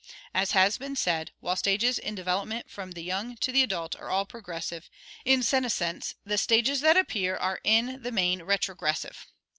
As has been said, while stages in development from the young to the adult are all progressive, in senescence the stages that appear are in the main retrogressive.